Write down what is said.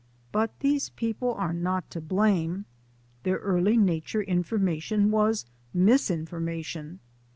But these people are not to blame. Their early nature information was mis information.